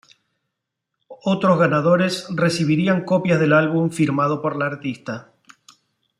Otros ganadores recibirían copias del álbum firmado por la artista.